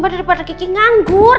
daripada kiki nganggur